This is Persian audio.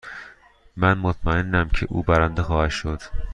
من مطمئنم که او برنده خواهد شد.